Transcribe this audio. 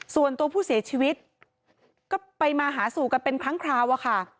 ส่วนตัวผู้เสียชีวิตก็ไปมาหาสู่กันเป็นครั้งคราวอะค่ะ